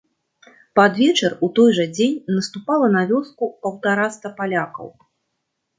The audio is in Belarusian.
Пад вечар у той жа дзень наступала на вёску паўтараста палякаў.